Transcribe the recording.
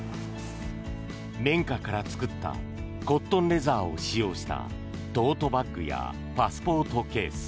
綿花から作ったコットンレザーを使用したトートバッグやパスポートケース。